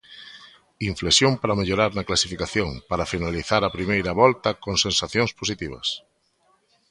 Inflexión para mellorar na clasificación, para finalizar a primeira volta con sensacións positivas.